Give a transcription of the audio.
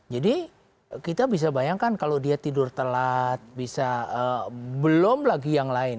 jadi kita bisa bayangkan kalau dia tidur telat belum lagi yang lain